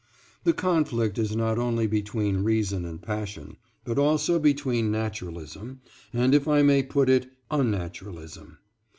The conflict is not only between reason and passion, but also between naturalism, and if I may put it, unnaturalism.